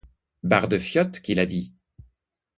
Bar de fiottes, qu’il a dit.